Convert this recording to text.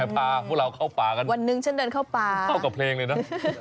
พาพวกเราเข้าป่ากันวันหนึ่งฉันเดินเข้าป่าเข้ากับเพลงเลยนะ